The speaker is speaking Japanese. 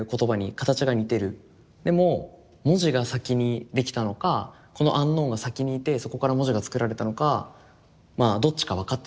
でも文字が先にできたのかこのアンノーンが先にいてそこから文字が作られたのかまあどっちか分かってないっていう